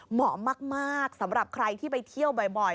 เหมาะมากสำหรับใครที่ไปเที่ยวบ่อย